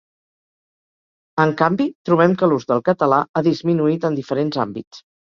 En canvi, trobem que l’ús del català ha disminuït en diferents àmbits.